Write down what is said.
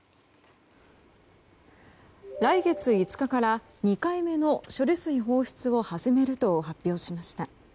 来月５日から２回目の処理水放出を始めると発表しました。